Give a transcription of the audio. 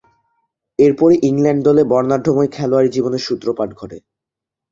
এরপরই ইংল্যান্ড দলে বর্ণাঢ্যময় খেলোয়াড়ী জীবনের সূত্রপাত ঘটে।